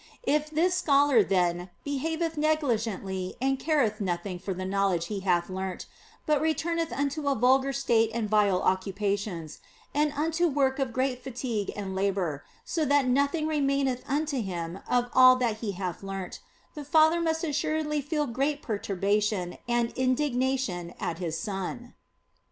If this scholar, then, behaveth negligently and careth nothing for the knowledge he hath learnt, but returneth unto a vulgar state and vile occupations, and unto work of great fatigue and labour, so that nothing remaineth unto him of all that he hath learnt, the father must assuredly feel great perturbation and indignation at his son."